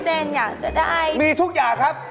เรามีทุกอย่างครับ